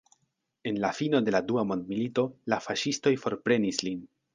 En la fino de la dua mondmilito la faŝistoj forprenis lin.